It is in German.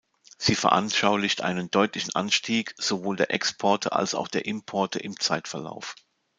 Sie veranschaulicht einen deutlich Anstieg sowohl der Exporte als auch der Importe im Zeitverlauf.